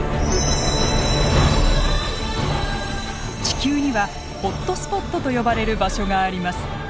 地球にはホットスポットと呼ばれる場所があります。